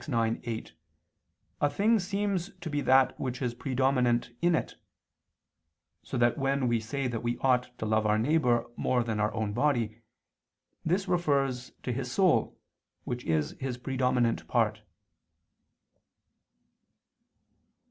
ix, 8) a thing seems to be that which is predominant in it: so that when we say that we ought to love our neighbor more than our own body, this refers to his soul, which is his predominant part.